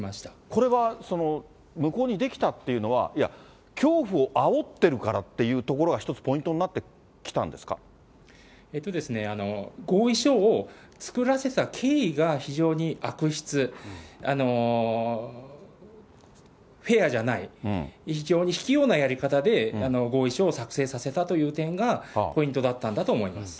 これは、その無効にできたというのは、いや、恐怖をあおってるからというところが一つポイントになってきたん合意書を作らせた経緯が、非常に悪質、フェアじゃない、非常に卑怯なやり方で合意書を作成させたという点がポイントだったんだと思います。